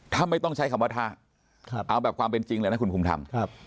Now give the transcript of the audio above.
ถ้าไม่ต้องใช้คำว่าท่าเอาแบบความเป็นจริงเลยนะคุณภูมิธรรม